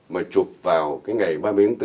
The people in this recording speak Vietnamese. mà chụp vào cái ngày ba mươi tháng bốn